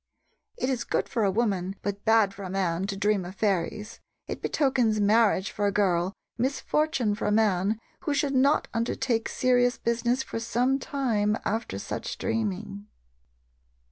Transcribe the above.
It is good for a woman, but bad for a man, to dream of fairies. It betokens marriage for a girl, misfortune for a man, who should not undertake serious business for some time after such dreaming.